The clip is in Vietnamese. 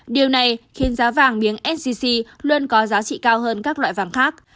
điều này khiến giá vàng miếng sgc luôn có giá trị cao hơn các loại vàng khác